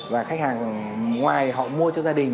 và khách hàng ngoài họ mua cho gia đình